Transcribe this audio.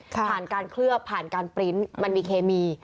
ผ่านการเคลือบผ่านการปริ้นต์มันมีเคมี